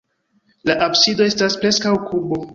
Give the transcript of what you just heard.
La absido estas preskaŭ kubo.